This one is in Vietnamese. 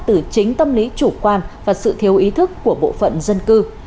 từ chính tâm lý chủ quan và sự thiếu ý thức của bộ phận dân cư